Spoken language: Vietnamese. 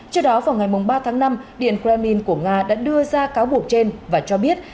trước đó vào ngày ba tháng năm điện kremlin của nga đã đưa ra cáo buộc trên và cho biết